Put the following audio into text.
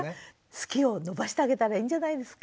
好きを伸ばしてあげたらいいんじゃないですか？